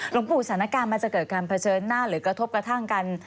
หลวงปู่สถานการณ์มันจะเกิดการเผชิญหน้าหรือกระทบกระทั่งกัน